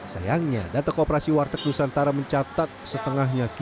sayangnya data kooperasi warteg nusantara mencatat setengahnya